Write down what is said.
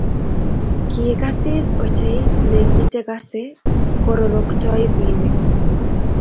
Kikasis ochei ne kitekase kororoktoi pinit